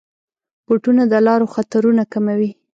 بوټونه د لارو خطرونه کموي.